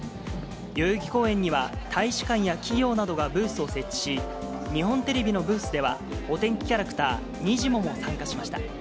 代々木公園には、大使館や企業などがブースを設置し、日本テレビのブースでは、お天気キャラクター、にじモも参加しました。